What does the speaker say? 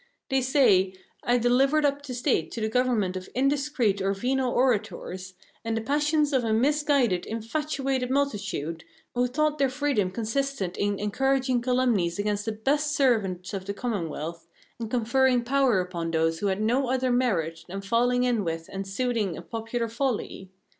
They say, I delivered up the State to the government of indiscreet or venal orators, and to the passions of a misguided, infatuated multitude, who thought their freedom consisted in encouraging calumnies against the best servants of the Commonwealth, and conferring power upon those who had no other merit than falling in with and soothing a popular folly.